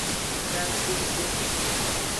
Dasefo.